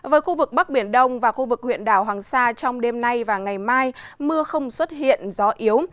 với khu vực bắc biển đông và khu vực huyện đảo hoàng sa trong đêm nay và ngày mai mưa không xuất hiện gió yếu